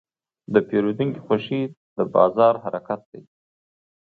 د پیرودونکي خوښي د بازار حرکت دی.